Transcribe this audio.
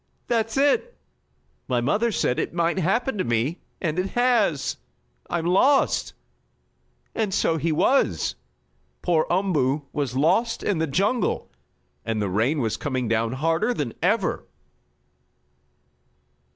"That's it! My mother said it might happen to me, and it has. I'm lost!" And so he was! Poor Umboo was lost in the jungle, and the rain was coming down harder than ever!